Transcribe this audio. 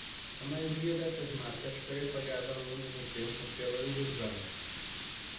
A maioria dessas marcas foi apagada ao longo do tempo pela erosão